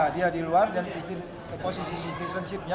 dia di luar dari posisi citizenship nya